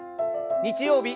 日曜日